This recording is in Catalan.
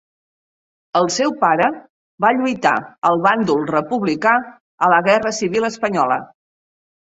El seu pare va lluitar al Bàndol republicà a la Guerra Civil espanyola.